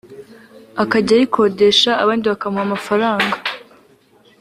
akajya ayikodesha abandi bakamuha amafaranga